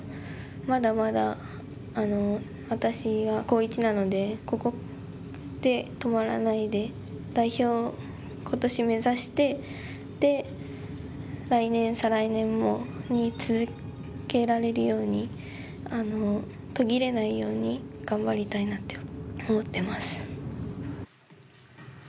まだまだ私は高１なのでここで止まらないで代表を今年目指して来年、再来年に続けられるように途切れないように頑張りたいなって思ってます。